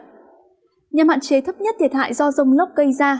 nhà mạn chế thấp nhất thiệt hại do rông lốc gây ra